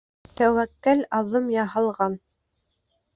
Тәүәккәл аҙым яһалған.